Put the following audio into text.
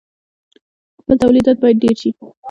خپل تولیدات باید ډیر شي.